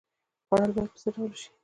خوړل باید په څه ډول وشي؟